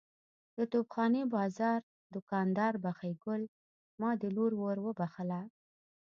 د توپ خانې بازار دوکاندار بخۍ ګل ماد لور ور وبخښله.